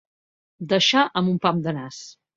Deixar amb un pam de nas.